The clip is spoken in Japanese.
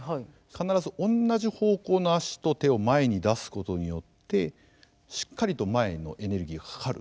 必ず同じ方向の足と手を前に出すことによってしっかりと前にエネルギーがかかるということなんです。